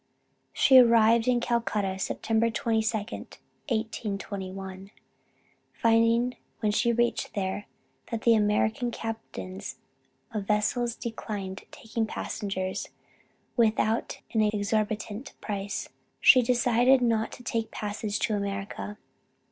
She arrived in Calcutta Sept. 22d, 1821. Finding when she reached there that the American captains of vessels declined taking passengers, without an exorbitant price, she decided not to take passage to America.